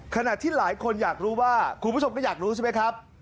ขณะที่หลายคนอยากรู้ว่าคุณผู้ชมก็อยากรู้ใช่ไหมครับ